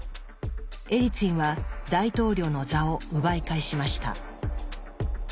エリツィンは大統領の座を奪い返しました。